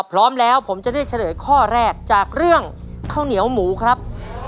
ถ้าพร้อมแล้วผมจะเรียกเฉลยข้อแรกอีกข้อแรกก็คือข้าวเหนียวหมูครับ